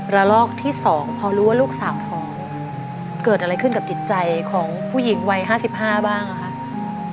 ละลอกที่สองพอรู้ว่าลูกสาวทองเกิดอะไรขึ้นกับจิตใจของผู้หญิงวัยห้าสิบห้าบ้างอ่ะค่ะ